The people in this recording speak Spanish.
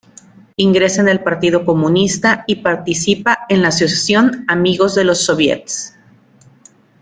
Ingresa en el Partido Comunista y participa en la Asociación "Amigos de los Soviets".